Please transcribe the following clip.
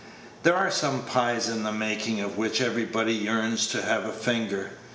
There are some pies in the making of which everybody yearns to have a finger.